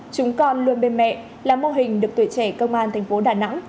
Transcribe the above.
chúng con luôn bên mẹ là mô hình được tuổi trẻ công an tp đà nẵng